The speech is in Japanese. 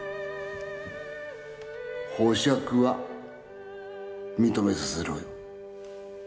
保釈は認めさせろ。